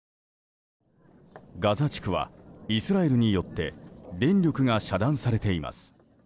ガザ地区はイスラエルによって電力が遮断されています。